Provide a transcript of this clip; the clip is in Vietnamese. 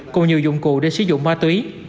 cùng nhiều dụng cụ để sử dụng ma túy